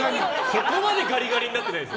そこまでガリガリになってないです。